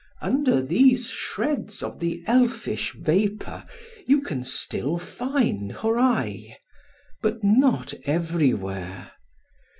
Under these shreds of the elfish vapor you still can find Hōrai—but not everywhere...